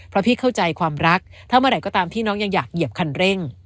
เพราะพี่เข้าใจความรักถ้าเมื่อไหร่ก็ตามที่น้องยังอยากเหยียบคันเร่ง